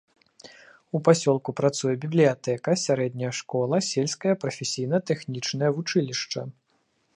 У пасёлку працуе бібліятэка, сярэдняя школа, сельскае прафесійна-тэхнічнае вучылішча.